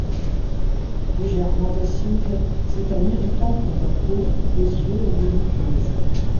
Légèrement acide, c'est un irritant pour la peau, les yeux et les muqueuses.